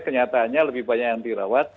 kenyataannya lebih banyak yang dirawat